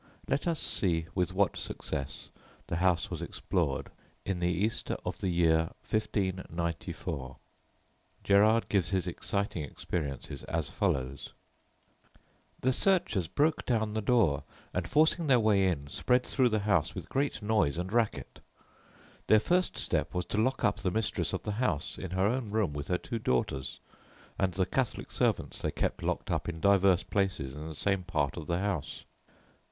Let us see with what success the house was explored in the Easter of the year 1594. Gerard gives his exciting experiences as follows: [Footnote 1: See Autobiography of Father John Gerard.] "The searchers broke down the door, and forcing their way in, spread through the house with great noise and racket. "Their first step was to lock up the mistress of the house in her own room with her two daughters, and the Catholic servants they kept locked up in divers places in the same part of the house.